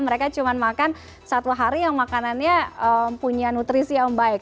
mereka cuma makan satu hari yang makanannya punya nutrisi yang baik